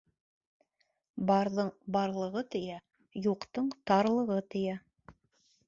Барҙың барлығы тейә, Юҡтың тарлығы тейә.